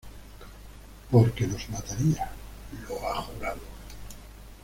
porque nos mataría... ¡ lo ha jurado!...